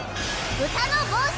「豚の帽子」